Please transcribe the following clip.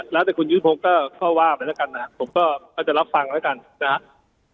แล้วแต่คุณยืนพงษ์ก็ก็ว่าไปแล้วกันนะฮะผมก็อาจจะรับฟังแล้วกันนะฮะ